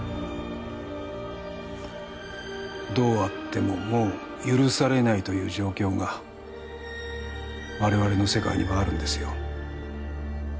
どうあってももう許されないという状況が我々の世界にはあるんですよ